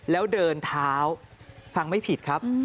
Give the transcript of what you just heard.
แล้วเดินเท้าฟังไม่ผิดครับ